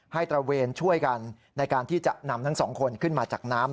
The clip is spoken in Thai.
ตระเวนช่วยกันในการที่จะนำทั้งสองคนขึ้นมาจากน้ำ